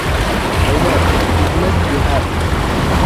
ھۆنەر – تۈگىمەس گۆھەر.